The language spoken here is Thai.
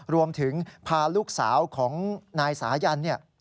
รวมถึงพาลูกสาวของนายสายันเนี่ย